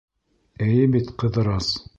Эйе бит, Ҡыҙырас?